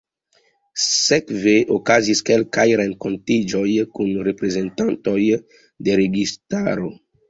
Sekve okazis kelkaj renkontiĝoj kun reprezentantoj de registaro.